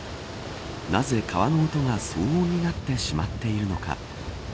なぜ川の音が騒音になってしまっているのか。